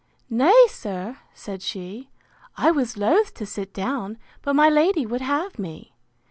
—Nay, sir, said she, I was loath to sit down; but my lady would have me.